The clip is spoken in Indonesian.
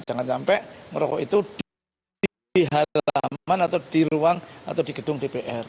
jangan sampai merokok itu di halaman atau di ruang atau di gedung dpr